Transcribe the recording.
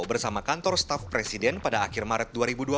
bersama kantor staff presiden pada akhir maret dua ribu dua puluh